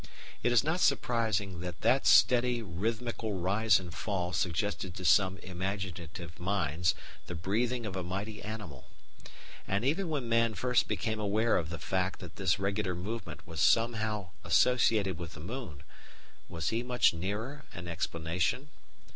It is not surprising that that steady, rhythmical rise and fall suggested to some imaginative minds the breathing of a mighty animal. And even when man first became aware of the fact that this regular movement was somehow associated with the moon, was he much nearer an explanation?